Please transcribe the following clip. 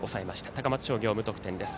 高松商業、無得点です。